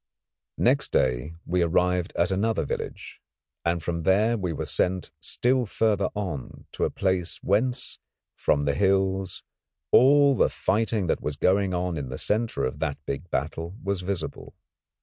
Next day we arrived at another village, and from there we were sent still further on, to a place whence, from the hills, all the fighting that was going on in the centre of that big battle was visible.